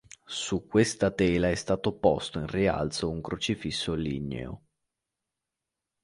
Su Questa tela è stato posto in rialzo un crocifisso ligneo.